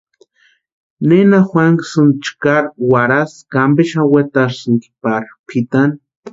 ¿Nena juanhasïnki chkari warhasï ka ampe xani wetarhisïnki pari pʼitani?